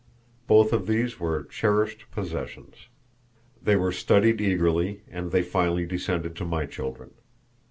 Both of these were cherished possessions. They were studied eagerly; and they finally descended to my children.